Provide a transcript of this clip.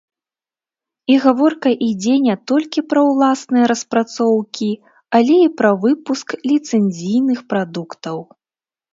І гаворка ідзе не толькі пра ўласныя распрацоўкі, але і пра выпуск ліцэнзійных прадуктаў.